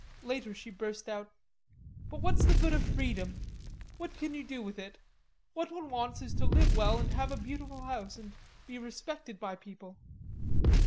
Later she burst out: "But what's the good of freedom? What can you do with it? What one wants is to live well and have a beautiful house and be respected by people.